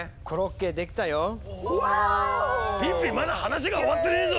ピッピまだ話が終わってねえぞ！